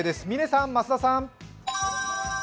嶺さん、増田さん。